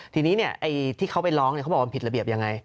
ทีนี้ที่เขาไปร้องเขาบอกว่ามันผิดระเบียบยังไง